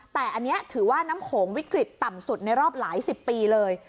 แต่อันนี้ถือว่าน้ำโขงวิกฤตต่ำสุดในรอบหลายสิบปีเลย